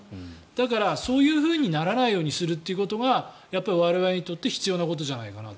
だから、そういうふうにならないようにするということがやっぱり我々にとって必要なことじゃないかなと。